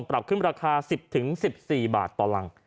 ปรับขึ้นราคา๑๐๑๔บาทต่อรัง